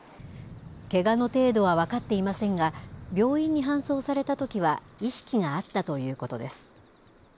けがの程度は分かっていませんが、病院に搬送されたときは意識があったということです。